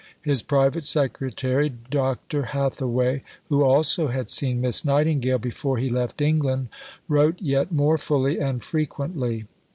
His private secretary, Dr. Hathaway, who also had seen Miss Nightingale before he left England, wrote yet more fully and frequently.